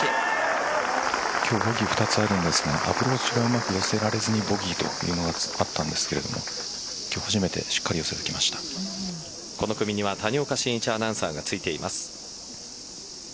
今日ボギー２つあるんですけどアプローチがうまく寄せられずにボギーというのがあったんですけど今日初めてこの組には谷岡慎一アナウンサーがついています。